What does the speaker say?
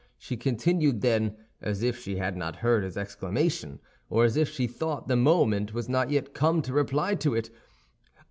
She continued, then, as if she had not heard his exclamation, or as if she thought the moment was not yet come to reply to it.